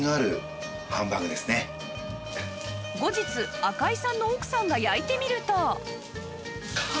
後日赤井さんの奥さんが焼いてみると